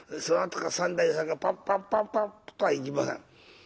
そのあとを三太夫さんがパッパッパッパッいきません。